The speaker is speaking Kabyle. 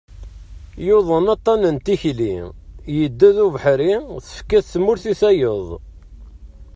Yuḍen aṭan n tikli, yedda d ubeḥri, tefka-t tmurt i tayeḍ.